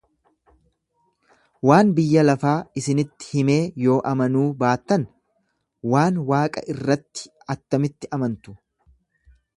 Waan biyya lafaa isinitti himee yoo amanuu baattan, waan waaqa irratti attamitti amantu?